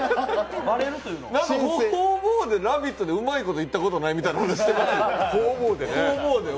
方々で「ラヴィット！」でうまいこといったことないみたいな話してます。